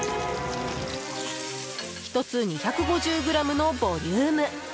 １つ２５０ｇのボリューム！